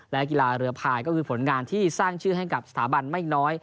และกีฬาเรือพายก็คือผลงานที่สร้างชื่อให้กับสถาบันไม่น้อย